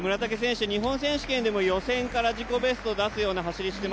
日本選手権でも予選から自己ベストを出すような走りをして